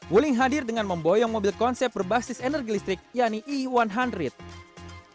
wuling hadir dengan memboyong mobil konsep berbasis energi listrik yaitu e satu ratus